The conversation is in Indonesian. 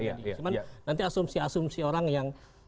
cuma nanti asumsi asumsi orang yang